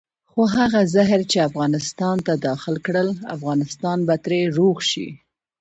خو هغه زهر چې افغانستان ته داخل کړل افغانستان به ترې روغ شي.